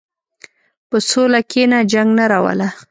په سوله کښېنه، جنګ نه راوله.